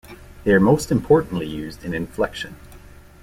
They are most importantly used in inflection.